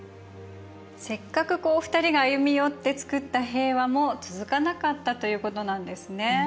せっかくこう２人が歩み寄ってつくった平和も続かなかったということなんですね。